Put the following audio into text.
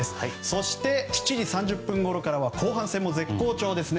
そして、７時３０分ごろからは後半戦も絶好調ですね